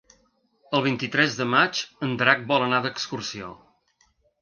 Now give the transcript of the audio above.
El vint-i-tres de maig en Drac vol anar d'excursió.